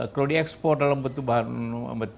kalau di ekspor dalam bentuk bahan